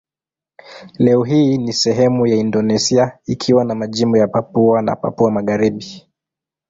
Leo hii ni sehemu ya Indonesia ikiwa ni majimbo ya Papua na Papua Magharibi.